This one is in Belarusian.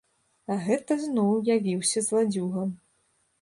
А гэта зноў явіўся зладзюга.